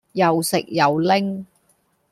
又食又拎